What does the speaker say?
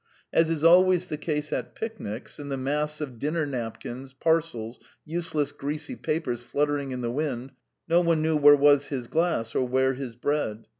As is always the case at picnics, in the mass of dinner napkins, parcels, useless greasy papers fluttering in the wind, no one knew where was his glass or where his bread.